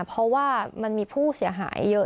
เพราะว่ามันมีผู้เสียหายเยอะ